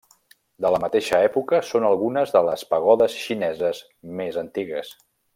De la mateixa època, són algunes de les pagodes xineses més antigues.